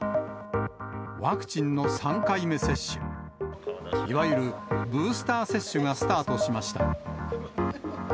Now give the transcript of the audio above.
ワクチンの３回目接種、いわゆるブースター接種がスタートしました。